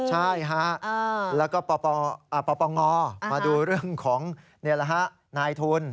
ใช่ฮะแล้วก็ปปงมาดูเรื่องของนายทุน